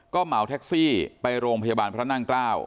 ก็เหมาแท็กซี่ไปโรงพยาบาลพระนั่งเกล้า